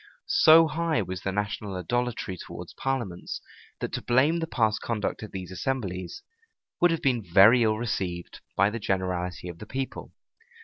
So high was the national idolatry towards parliaments, that to blame the past conduct of these assemblies would have been very ill received by the generality of the people.